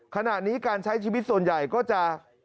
ขณะนี้การใช้ชีวิตส่วนใหญ่ก็จะ